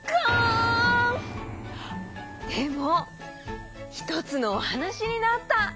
でもひとつのおはなしになった！